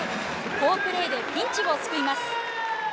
好プレーでピンチを救います。